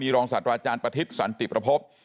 รองศาสตราอาจารย์ประทิศสันติประพบ